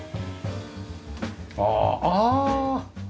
ああ。